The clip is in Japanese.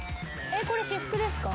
これ私服ですか？